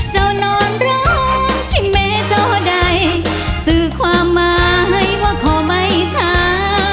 จะวนอนร้องชิเมเจ้าใดสื่อความหมายว่าขอไม้ช้า